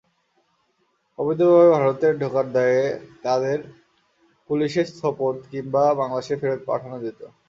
অবৈধভাবে ভারতে ঢোকার দায়ে তাঁদের পুলিশে সোপর্দ কিংবা বাংলাদেশে ফেরত পাঠানো যেত।